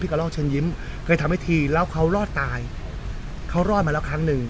กระลอกเชิญยิ้มเคยทำให้ทีแล้วเขารอดตายเขารอดมาแล้วครั้งหนึ่ง